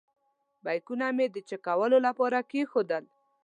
بیکونه مې د چېک کولو لپاره کېښودل.